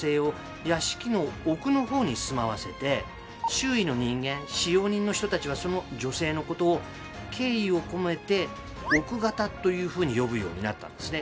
周囲の人間使用人の人たちはその女性のことを敬意を込めて「奥方」というふうに呼ぶようになったんですね。